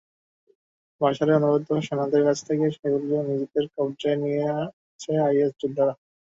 বাশারের অনুগত সেনাদের কাছ থেকে সেগুলো নিজেদের কবজায় নিয়েছে আইএস যোদ্ধারা।